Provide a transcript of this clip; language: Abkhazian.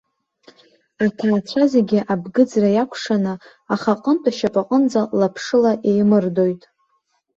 Аҭаацәа зегьы абгыӡра иакәшаны ахаҟынтә ашьапаҟынӡа лаԥшыла еимырдоит.